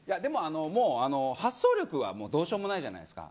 発想力は、どうしようもないじゃないですか。